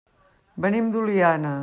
Venim d'Oliana.